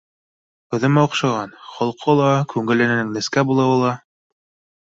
Үҙемә оҡшаған, холҡо ла, күңеленең нескә булыуы ла